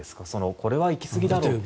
これは行き過ぎだろうと。